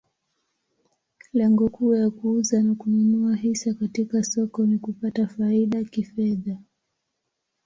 Lengo kuu ya kuuza na kununua hisa katika soko ni kupata faida kifedha.